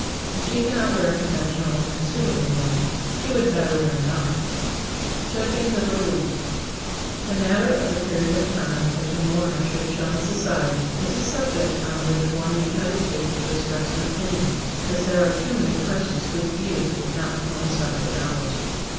If she can not wear conventional and suitable mourning, she would better wear none. [Sidenote: JUDGING THE BEREAVED] The matter of the period of time in which a mourner should shun society is a subject on which one may hesitate to express an opinion, as there are too many persons whose views would not coincide with ours.